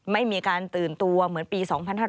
ไม่มีการตื่นตัวเหมือนปี๒๕๕๙